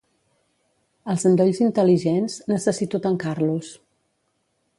Els endolls intel·ligents, necessito tancar-los.